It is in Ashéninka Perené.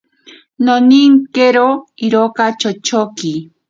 Noninkero irora chochoki.